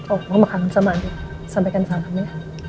oh mau makan sama andi sampaikan salam ya